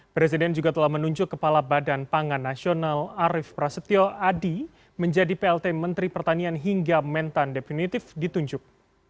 presiden juga telah menunjuk kepala badan pangan nasional arief prasetyo adi menjadi plt menteri pertanian hingga mentan definitif ditunjuk